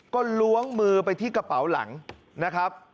ก็ล้วงมือไปที่กระเป๋าหลังนะครับ